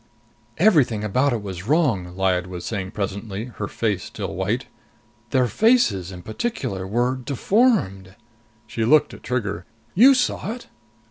"Everything about it was wrong!" Lyad was saying presently, her face still white. "Their faces, in particular, were deformed!" She looked at Trigger. "You saw it?"